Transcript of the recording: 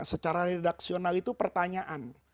secara redaksional itu pertanyaan